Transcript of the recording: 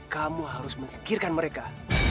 kamu harus mengegirkan mereka